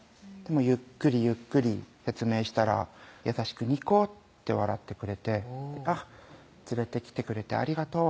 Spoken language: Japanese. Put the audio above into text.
ゆっくりゆっくり説明したら優しくニコッて笑ってくれて「連れてきてくれてありがとう」